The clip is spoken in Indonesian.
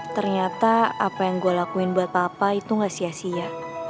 ternyata apa yang gue lakuin buat papa itu gak sia sia